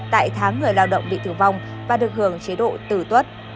tại tháng người lao động bị tử vong và được hưởng chế độ tử tuất